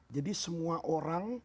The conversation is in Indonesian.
jadi semua orang